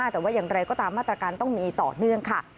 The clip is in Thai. แต่ว่าอย่างไรก็ตามมาตรการต้องมีต่อเนื่องค่ะ